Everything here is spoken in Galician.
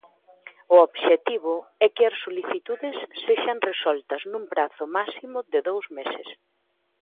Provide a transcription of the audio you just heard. O obxectivo é que as solicitudes sexan resoltas nun prazo máximo de dous meses.